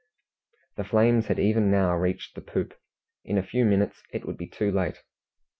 The flames had even now reached the poop; in a few minutes it would be too late.